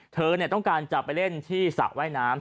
เธอต้องการจะไปเล่นที่สระว่ายน้ำ